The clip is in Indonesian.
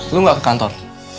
lo gak ke kantor